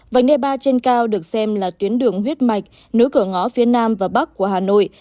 vành đê ba trên cao được xem là tuyến đường huyết mạch nối cửa ngõ phía nam và bắc của hà nội